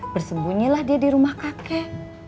bersembunyilah dia di rumah kakek